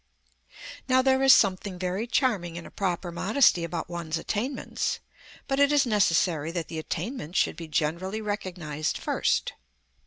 Now there is something very charming in a proper modesty about one's attainments, but it is necessary that the attainments should be generally recognized first.